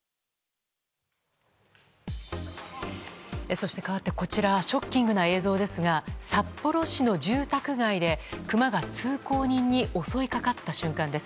そして、かわってこちらはショッキングな映像ですが札幌市の住宅街でクマが通行人に襲いかかった瞬間です。